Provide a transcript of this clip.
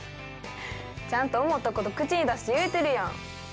ちゃんと思ったこと口に出して言えてるやん。